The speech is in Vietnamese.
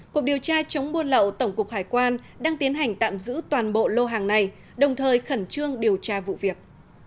cục điều tra chống buôn lậu tổng cục hải quan đang tiến hành tạm giữ toàn bộ lô hàng này đồng thời khẩn trương điều tra vụ việc